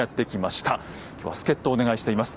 今日は助っ人をお願いしています。